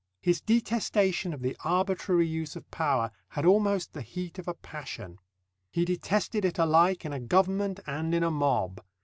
His detestation of the arbitrary use of power had almost the heat of a passion. He detested it alike in a government and in a mob.